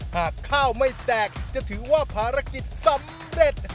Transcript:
หากข้าวไม่แตกจะถือว่าภารกิจสำเร็จ